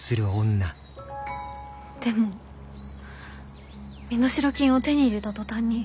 でも身代金を手に入れた途端に。